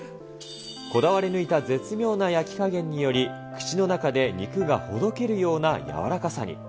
こだわり抜いた絶妙な焼きかげんにより、口の中で肉がほどけるような柔らかさに。